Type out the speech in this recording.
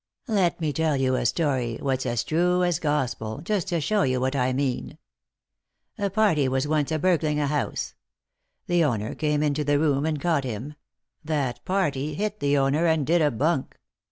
Let me tell you a story, what's as true as gospel, just to show you what I mean. A party was once a burgling a house; the owner came into the room and caught him — that party hit the owner and did a bunk.